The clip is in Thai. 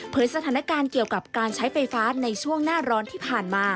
สถานการณ์เกี่ยวกับการใช้ไฟฟ้าในช่วงหน้าร้อนที่ผ่านมา